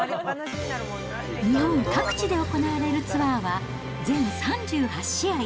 日本各地で行われるツアーは全３８試合。